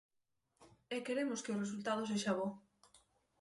E queremos que o resultado sexa bo.